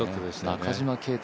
中島啓太